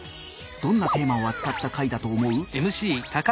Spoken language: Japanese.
どんなテーマをあつかった回だと思う？